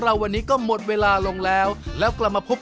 แล้วตอนนี้ไปไหนหมดแล้วต้องพบ